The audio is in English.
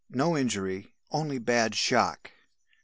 No injury, only bad shock.